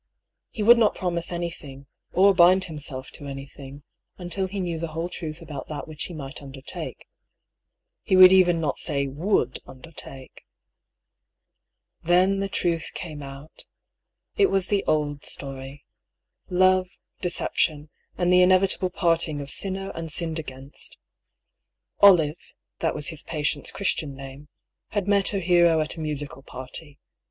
He would not promise anything, or bind himself to anything, until he knew the whole truth about that which he might undertake (he would even not say would undertake). Then the truth came out. It was the old story — love, deception, and the inevitable parting of sinner and sinned against. Olive (that was his patient's Christian name) had met her hero at a musical party.